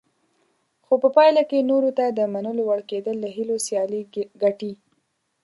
خو په پایله کې نورو ته د منلو وړ کېدل له هیلو سیالي ګټي.